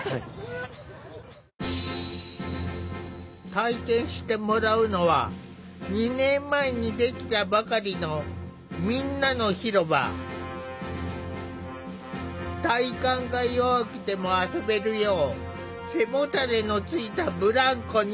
体験してもらうのは２年前に出来たばかりの体幹が弱くても遊べるよう背もたれのついたブランコに。